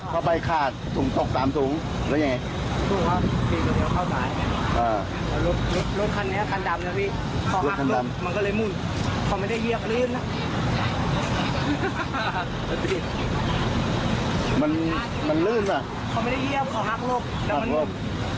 จังหวัดที่สุดครับครับ